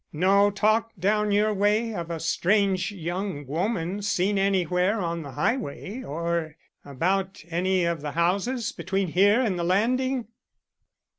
No talk down your way of a strange young woman seen anywhere on the highway or about any of the houses between here and the Landing?"